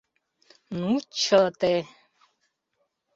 Ну, чыте!